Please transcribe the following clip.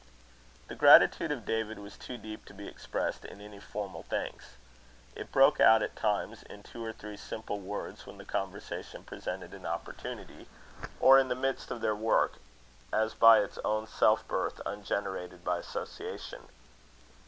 The gratitude of David was too deep to be expressed in any formal thanks. It broke out at times in two or three simple words when the conversation presented an opportunity, or in the midst of their work, as by its own self birth, ungenerated by association.